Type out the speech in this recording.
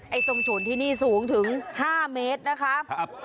ส้มฉุนที่นี่สูงถึง๕เมตรนะคะ